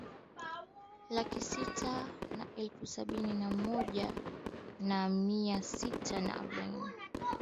laki sita na elfu sabini na moja na mia sita na arobaini